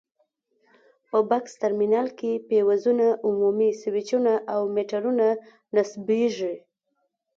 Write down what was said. په بکس ترمینل کې فیوزونه، عمومي سویچونه او میټرونه نصبېږي.